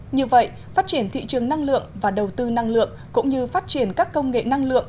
như vậy phát triển thị trường năng lượng và đầu tư năng lượng cũng như phát triển các công nghệ năng lượng